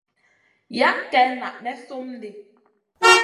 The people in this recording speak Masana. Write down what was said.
Yah ken na may slum di.